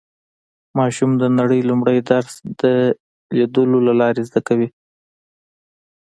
ماشوم د نړۍ لومړی درس د لیدلو له لارې زده کوي